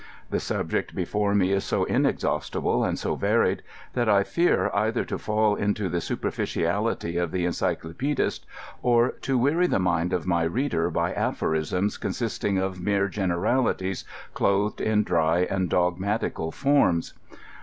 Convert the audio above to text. The subject before me is so inexhaustible and bo varied, that I fear either to fall into the superficiality of the encyclopedist, or to weary the mind of my reader by aphorisms consisting of mere gener alities clothed in dry and dogmatical &rms.